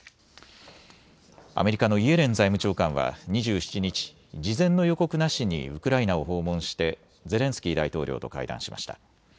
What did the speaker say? アメリカのイエレン財務長官は２７日、事前の予告なしにウクライナを訪問してゼレンスキー大統領と会談しました。